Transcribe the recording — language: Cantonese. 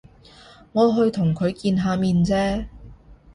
我去同佢見下面啫